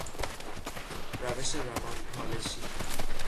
روش روانپالشی